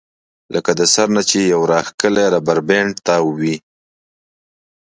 لکه د سر نه چې يو راښکلی ربر بېنډ تاو وي